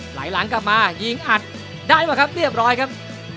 ไหลหลังกลับมายิงอัดได้ป่ะครับเรียบร้อยครับ